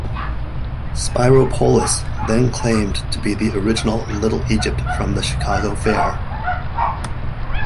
Spyropoulos then claimed to be the original Little Egypt from the Chicago Fair.